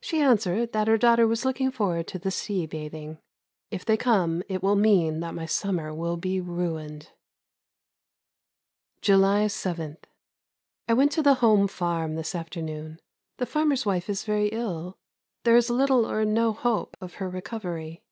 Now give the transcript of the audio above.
She answered that her daughter was looking forward to the sea bathing. If they come it will mean that my summer will be ruined. July 7. I went to the home farm this afternoon. The farmer's wife is very ill. There is little or no hope of her recovery.